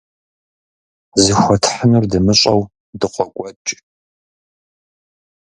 Зыхуэтхьынур дымыщӀэу дыкъокӀуэкӀ.